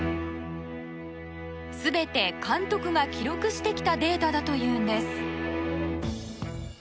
全て監督が記録してきたデータだというんです。